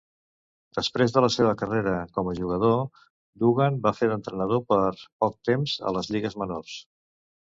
Després de la seva carrera com a jugador, Dugan va fer d'entrenador per poc temps a les lligues menors.